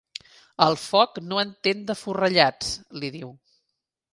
El foc no entén de forrellats, li diu.